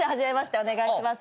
お願いします。